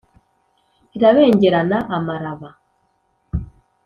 irabengerana amaraba.